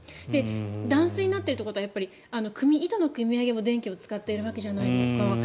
断水になっているということは井戸のくみ上げも電気を使っているわけじゃないですか。